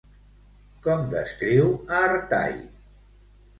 Com descriu a Artai?